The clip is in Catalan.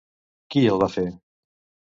Qui el va fer?